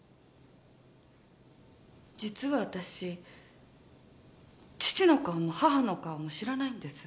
実は私父の顔も母の顔も知らないんです。